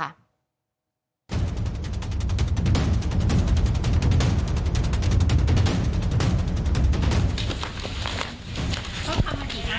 ประกาศอีกเท่านั้นเราก็จะหาทางออกไป